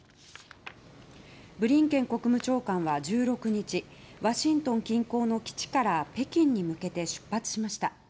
ブリンケン国務長官は１６日ワシントン近郊の基地から北京に向けて出発しました。